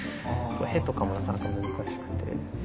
「ヘ」とかもなかなか難しくて。